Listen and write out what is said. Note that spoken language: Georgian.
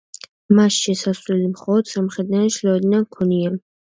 მას შესასვლელები მხოლოდ სამხრეთიდან და ჩრდილოეთიდან ჰქონია.